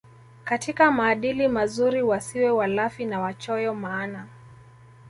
katika maadili mazuri wasiwe walafi na wachoyo maana